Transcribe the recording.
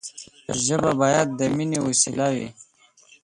ژبه باید د ميني وسیله وي.